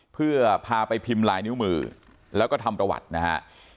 เพื่อพาไปพิมพ์ลายนิ้วมือแล้วก็ทำประวัตินะฮะ